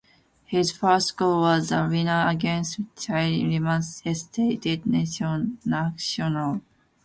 His first goal was the winner against Chile in Lima's Estadio Nacional.